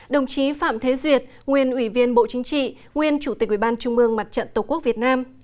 đồng chí phạm thế duyệt nguyên ủy viên bộ chính trị nguyên chủ tịch ủy ban trung mương mặt trận tổ quốc việt nam